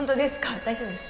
大丈夫ですか